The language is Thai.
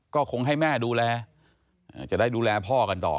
ก็คงให้แม่ดูแลจะได้ดูแลพ่อกันต่อ